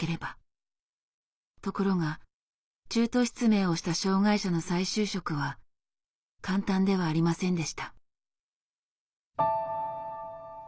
ところが中途失明をした障害者の再就職は簡単ではありませんでした。